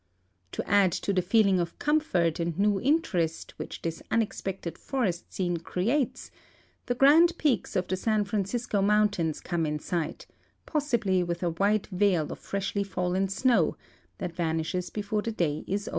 To add to the feeling of comfort and ntw interest which this unexpected forest scene creates, the grand peaks of the San Francisco mountains come in sight, possibly witii ;i white veil of freshly fallen snow that vanishes before tiie day is over.